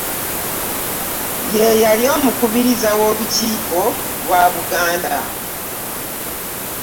Ye yali omukubiriza w'olukiiko lwa Buganda